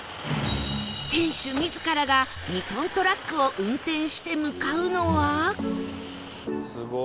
店主自らが２トントラックを運転して向かうのは